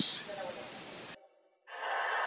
Nikikumbuka kama Wewe Mungu ulivyompeleka Mwanao